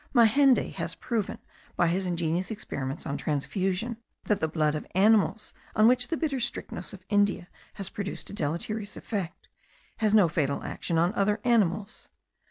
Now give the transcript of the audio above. Majendie has proved by his ingenious experiments on transfusion, that the blood of animals on which the bitter strychnos of India has produced a deleterious effect, has no fatal action on other animals.